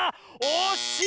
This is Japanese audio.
おっしい！